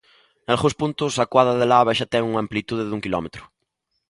Nalgúns puntos, a coada de lava xa ten unha amplitude dun quilómetro.